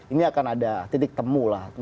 ini akan ada titik temu lah